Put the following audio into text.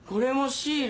シール。